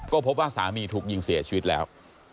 ก็พบว่าสามีถูกยิงเสียชีวิตแล้ว